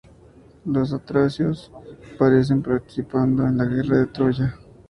Los tracios aparecen participando en la guerra de Troya.